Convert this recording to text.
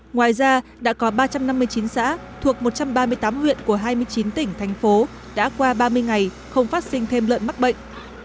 ngoài ra đã có ba trăm năm mươi chín xã thuộc một trăm ba mươi tám huyện của hai mươi chín tỉnh thành phố đã qua ba mươi ngày không phát sinh thêm lợn mắc bệnh